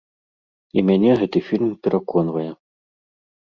І мяне гэты фільм пераконвае.